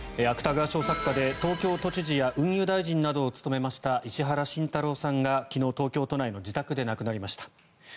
芥川賞作家で、東京都知事や運輸大臣などを務めました石原慎太郎さんが昨日、東京都内の自宅で亡くなりました。